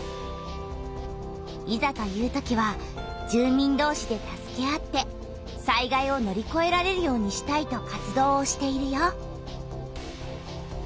いざというときは住民どうしで助け合って災害を乗りこえられるようにしたいと活動をしているよ。